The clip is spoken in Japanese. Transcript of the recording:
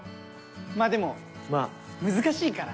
まあでも難しいから。